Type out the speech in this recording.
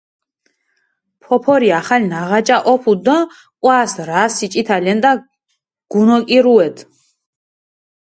ფოფორი ახალ ნაღაჭა ჸოფუდჷ დო ჸვას რასი ჭითა ლენტა გუნოკირუედჷ.